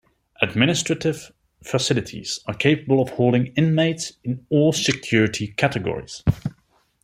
Administrative facilities are capable of holding inmates in all security categories.